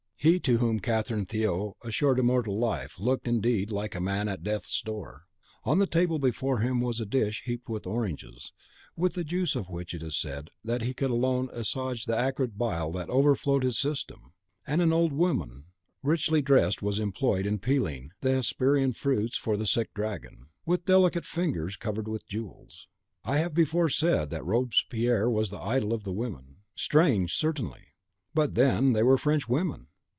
He to whom Catherine Theot assured immortal life, looked, indeed, like a man at death's door. On the table before him was a dish heaped with oranges, with the juice of which it is said that he could alone assuage the acrid bile that overflowed his system; and an old woman, richly dressed (she had been a Marquise in the old regime) was employed in peeling the Hesperian fruits for the sick Dragon, with delicate fingers covered with jewels. I have before said that Robespierre was the idol of the women. Strange certainly! but then they were French women!